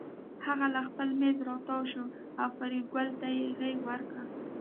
هغه له خپل مېز راتاو شو او فریدګل ته یې غېږ ورکړه